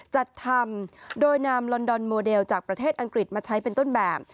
จัดทำโดยนำลอนดอนโมเดลจากประเทศอังกฤษมาใช้เป็นต้นแบบ